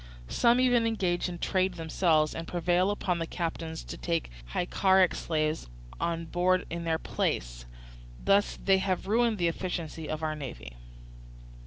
Some even engage in trade themselves and prevail upon the captains to take Hyccaric slaves on board in their place; thus they have ruined the efficiency of our navy.